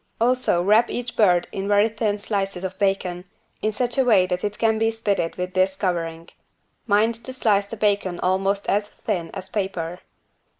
Also wrap each bird in very thin slices of bacon, in such a way that it can be spitted with this covering. Mind to slice the bacon almost as thin as paper.